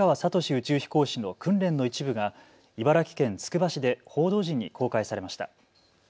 宇宙飛行士の訓練の一部が茨城県つくば市で報道陣に公開されました。